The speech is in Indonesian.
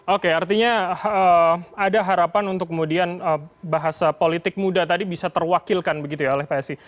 oke artinya ada harapan untuk kemudian bahasa politik muda tadi bisa terwakilkan begitu ya oleh psi